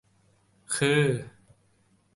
คือ